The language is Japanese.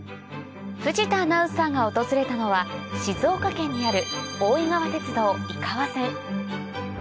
藤田アナウンサーが訪れたのは静岡県にある大井川鐵道井川線